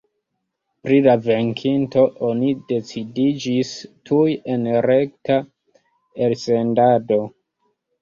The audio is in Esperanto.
Pri la venkinto oni decidiĝis tuj en rekta elsendado.